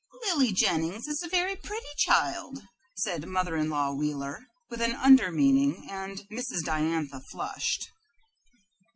"Lily Jennings is a very pretty child," said Mother in law Wheeler, with an under meaning, and Mrs. Diantha flushed.